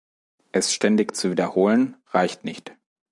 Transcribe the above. Es ständig zu wiederholen, reicht nicht.